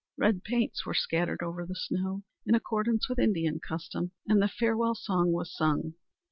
Red paints were scattered over the snow, in accordance with Indian custom, and the farewell song was sung.